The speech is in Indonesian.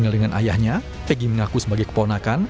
dikendalikan ayahnya peggy mengaku sebagai keponakan